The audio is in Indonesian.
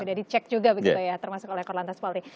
sudah dicek juga begitu ya termasuk oleh korlantas polri